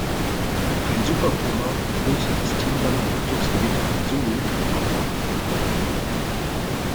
Ein Super Puma holt das Team dann im Rückzugsgebiet "Zulu" ab.